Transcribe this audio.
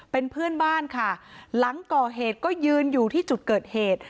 เป็นเพื่อนบ้านค่ะหลังก่อเหตุก็ยืนอยู่ที่จุดเกิดเหตุ